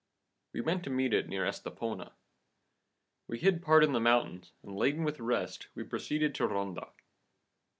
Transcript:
We went to meet it near Estepona. We hid part in the mountains, and laden with the rest, we proceeded to Ronda.